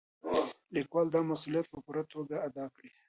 لیکوال دا مسؤلیت په پوره توګه ادا کړی.